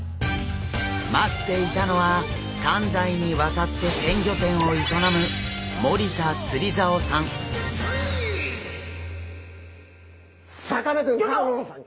待っていたのは３代にわたって鮮魚店を営むさかなクン香音さん